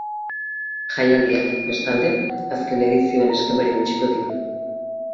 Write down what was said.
Jaialdiak, bestalde, azken edizioen eskemari eutsiko dio.